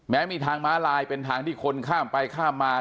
มีทางม้าลายเป็นทางที่คนข้ามไปข้ามมา